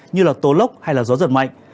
như là tổ lốc hay là gió giật mạnh